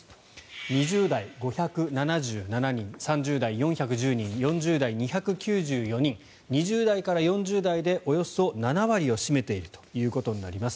２０代、５７７人３０代、４１０人４０代、２９４人２０代から４０代でおよそ７割を占めているということになります。